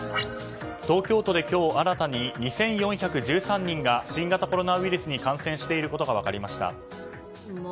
東京都で今日新たに２４１３人が新型コロナウイルスに感染していることが分かりました。